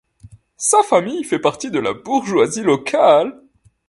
Sa famille fait partie de la bourgeoisie locale.